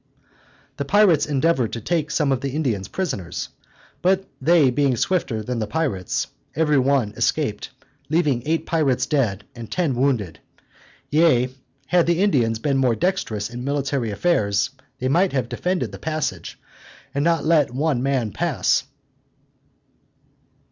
The pirates endeavored to take some of the Indians prisoners, but they being swifter than the pirates, every one escaped, leaving eight pirates dead, and ten wounded: yea, had the Indians been more dextrous in military affairs, they might have defended the passage, and not let one man pass.